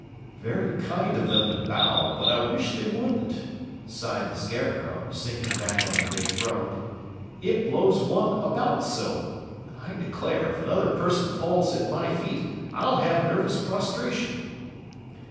"Very kind of them to bow, but I wish they wouldn't," sighed the Scarecrow, sinking back on the great throne. "It blows one about so. I declare, if another person falls at my feet, I'll have nervous prostration."